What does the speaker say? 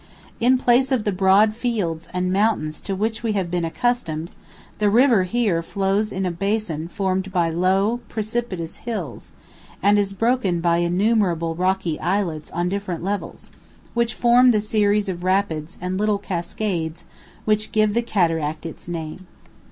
In place of the broad fields and mountains to which we have been accustomed, the river here flows in a basin formed by low, precipitous hills, and is broken by innumerable rocky islets on different levels, which form the series of rapids and little cascades which give the cataract its name.